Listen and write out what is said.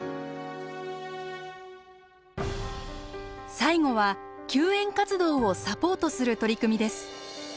最後は救援活動をサポートする取り組みです。